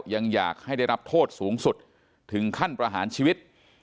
ยังอยากให้ได้รับโทษสูงสุดถึงขั้นประหารชีวิต